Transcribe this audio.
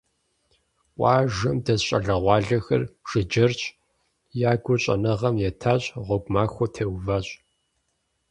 Къуажэм дэс щӀалэгъуалэхэр жыджэрщ, я гур щӀэныгъэм етащ, гъуэгу махуэ теуващ.